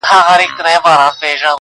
کافر دروغ پاخه رشتیا مات کړي,